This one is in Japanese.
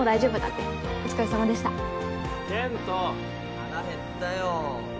腹減ったよ！